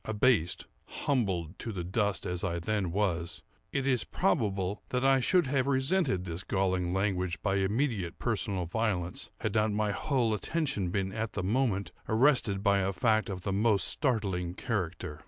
Abased, humbled to the dust as I then was, it is probable that I should have resented this galling language by immediate personal violence, had not my whole attention been at the moment arrested by a fact of the most startling character.